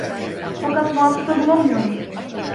Fakat vasıta bulamıyorum!